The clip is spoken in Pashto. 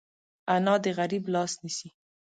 انا د غریب لاس نیسي